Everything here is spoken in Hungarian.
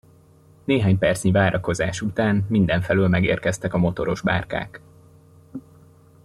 Néhány percnyi várakozás után mindenfelől megérkeztek a motoros bárkák.